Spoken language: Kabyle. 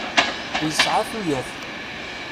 Yesɛa tuyat.